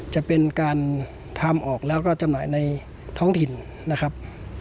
จะเป็นการทำออกแล้วก็จำหน่ายในท้องถิ่นนะครับ